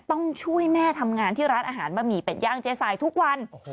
ต้องช่วยแม่ทำงานที่ร้านอาหารบะหมี่เป็ดย่างเจ๊สายทุกวัน